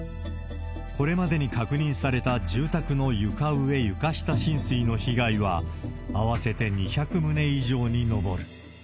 これまでに確認された住宅の床上・床下浸水の被害は、合わせて２００棟以上に上る。